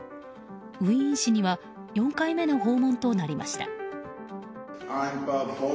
ウィーン市には４回目の訪問となりました。